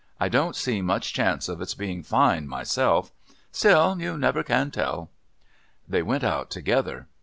I don't see much chance of its being fine myself. Still you never can tell." They went out together.